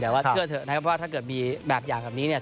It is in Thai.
แต่ว่าเชื่อเถอะนะครับว่าถ้าเกิดมีแบบอย่างแบบนี้เนี่ย